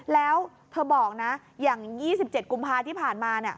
แล้วเธอบอกนะอย่าง๒๗กุมภาที่ผ่านมา